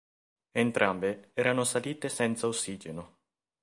Entrambe erano salite senza ossigeno.